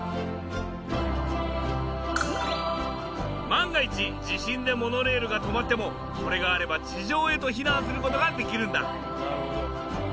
万が一地震でモノレールが止まってもこれがあれば地上へと避難する事ができるんだ。